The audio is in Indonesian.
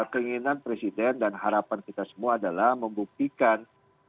keinginan presiden dan harapan kita semua adalah membuktikan